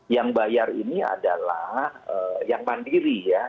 yang bayar ini adalah yang mandiri ya